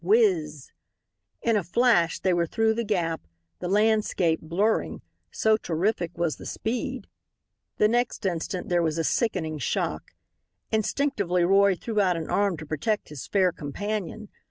Whiz z z z z! In a flash they were through the gap, the landscape blurring, so terrific was the speed. The next instant there was a sickening shock. Instinctively Roy threw out an arm to protect his fair companion.